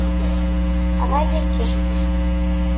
Ɣaya-kem!